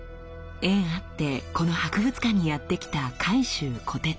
縁あってこの博物館にやってきた海舟虎徹。